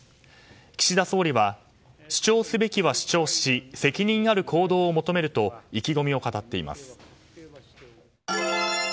岸田総理は主張すべきは主張し責任ある行動を求めると意気込みを語っています。